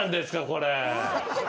これ。